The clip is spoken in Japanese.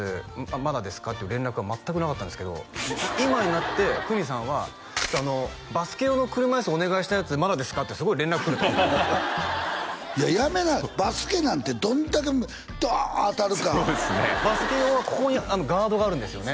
「まだですか？」っていう連絡は全くなかったんですけど今になって国さんは「ちょっとバスケ用の車いすお願いしたやつまだですか？」って「すごい連絡来る」っていややめなはれバスケなんてどんだけドーン当たるかそうですねバスケ用はここにガードがあるんですよね？